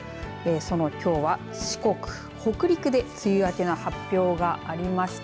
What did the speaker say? そのきょうは四国、北陸で梅雨明けの発表がありました。